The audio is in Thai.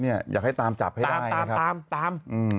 เนี่ยอยากให้ตามจับให้ได้นะครับตาม